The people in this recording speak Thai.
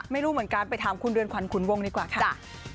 ไม่รู้เหมือนกันไปถามคุณเรือนขวัญขุนวงดีกว่าจ้ะ